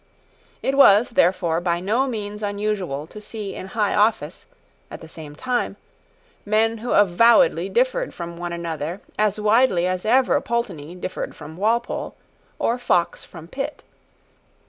It was, therefore, by no means unusual to see in high office, at the same time, men who avowedly differed from one another as widely as ever Pulteney differed from Walpole, or Fox from Pitt.